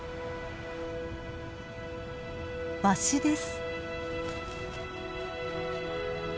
ワシです。